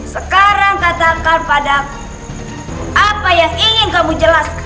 sekarang katakan padaku apa yang ingin kamu jelaskan